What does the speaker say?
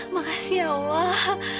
makasih ya allah